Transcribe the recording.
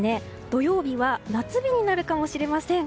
土曜日は夏日になるかもしれません。